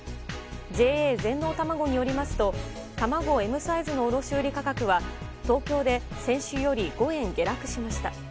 ＪＡ全農たまごによりますと卵Ｍサイズの卸売価格は東京で先週より５円下落しました。